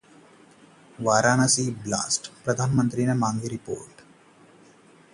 Varanasi blast: प्रधानमंत्री ने मांगी रिपोर्ट